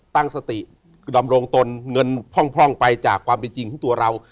ตั้งสติดำรงตนเงินพร่องไปจากความเป็นจริงของตัวเรา